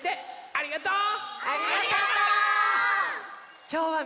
ありがとう。